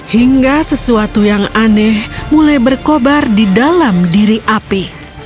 hingga sesuatu yang aneh mulai berkobar di dalam diri api